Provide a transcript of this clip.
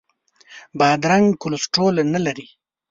بادرنګ کولیسټرول نه لري.